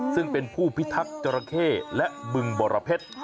ซึ่งเป็นผู้พิทักษ์จราเข้และบึงบรเพชร